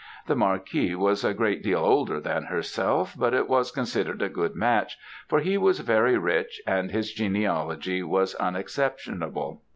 The Marquis was a great deal older than herself, but it was considered a good match, for he was very rich, and his genealogy was unexceptionable.